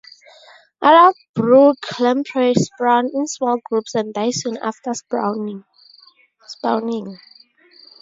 Adult brook lamprey spawn in small groups and die soon after spawning.